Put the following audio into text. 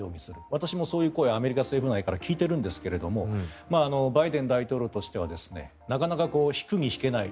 私もそういう声アメリカ政府内から聞いているんですがバイデン大統領としてはなかなか引くに引けない。